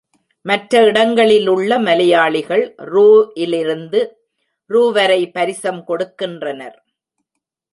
மற்ற இடங்களிலுள்ள மலையாளிகள் ரூ. லிருந்து ரூ. வரை பரிசம் கொடுக்கின்றனர்.